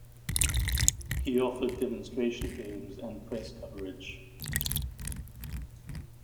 He offered demonstration games and press coverage.